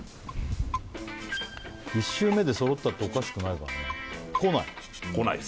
１周目で揃ったっておかしくないからねこない？